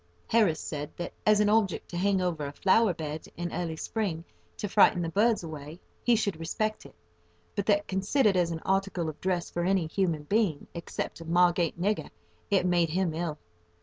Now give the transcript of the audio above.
Harris said that, as an object to hang over a flower bed in early spring to frighten the birds away, he should respect it; but that, considered as an article of dress for any human being, except a Margate nigger, it made him ill.